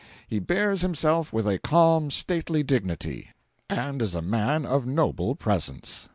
He bears himself with a calm, stately dignity, and is a man of noble presence.